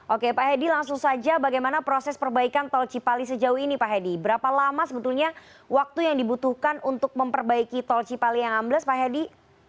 oke pak hedi langsung saja bagaimana proses perbaikan tol cipali sejauh ini pak hedi berapa lama sebetulnya waktu yang dibutuhkan untuk memperbaiki tol cipali yang ambles pak hedi